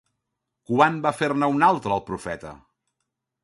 Quan va fer-ne una altra el profeta?